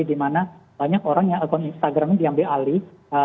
dimana banyak orang yang akun instagram diambil alih